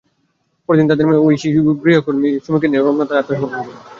পরদিন তাঁদের মেয়ে ঐশী গৃহকর্মী সুমিকে নিয়ে রমনা থানায় আত্মসমর্পণ করে।